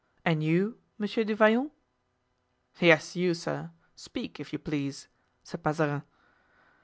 And you, Monsieur du Vallon——" "Yes, you, sir! Speak, if you please," said Mazarin.